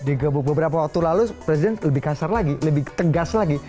digebuk beberapa waktu lalu presiden lebih kasar lagi lebih tegas lagi